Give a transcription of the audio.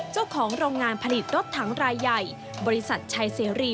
เจ้าของรองงานผลิตรถถังรายใหญ่